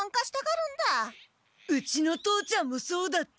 うちの父ちゃんもそうだった。